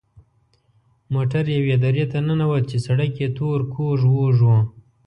موټر یوې درې ته ننوت چې سړک یې تور کوږ وږ و.